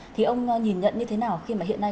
thì ông nhìn nhận như thế nào khi mà hiện nay